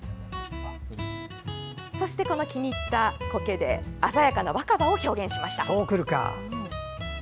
そして、この気に入ったコケで鮮やかな若葉を表現しました。